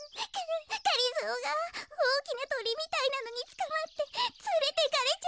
がりぞーがおおきなトリみたいなのにつかまってつれてかれちゃった。